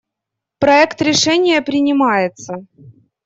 Проект решения принимается.